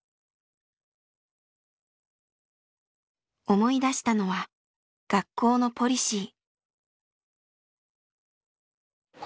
思い出したのは学校のポリシー。